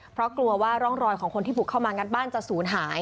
เพราะกลัวว่าร่องรอยของคนที่บุกเข้ามางัดบ้านจะศูนย์หาย